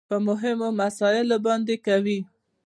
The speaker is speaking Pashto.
په مهمو مسايلو باندې کوي .